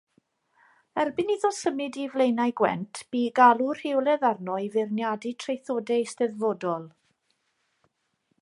Erbyn iddo symud i Flaenau Gwent bu galw rheolaidd arno i feirniadu traethodau eisteddfodol.